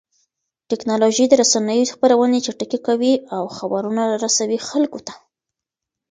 ټکنالوژي د رسنيو خپرونې چټکې کوي او خبرونه رسوي خلکو ته.